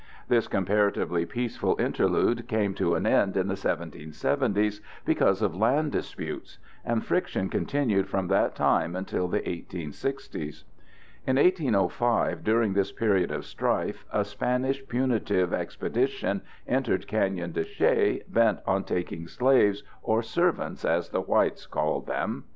This comparatively peaceful interlude came to an end in the 1770's because of land disputes, and friction continued from that time until the 1860's. In 1805, during this period of strife, a Spanish punitive expedition entered Canyon de Chelly, bent on taking slaves, or servants as the whites called them.